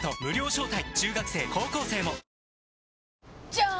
じゃーん！